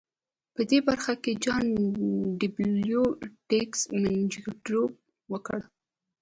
په دې برخه کې جان ډبلیو ګیټس منځګړیتوب وکړ